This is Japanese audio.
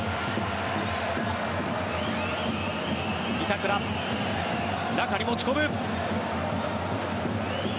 板倉、中に持ち込む。